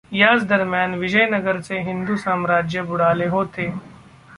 याच दरम्यान विजयनगरचे हिंदू साम्राज्य बुडाले होते.